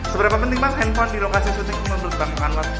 seberapa penting banget handphone di lokasi syuting ini menurut bapak anwar